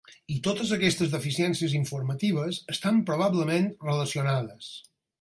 I totes aquestes deficiències informatives estan probablement relacionades.